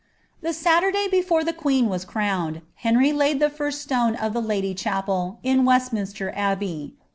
The Saturday before the qneen was crowned, Henry Idd the first matt of the Lady Chapel, in Westminster Abbey.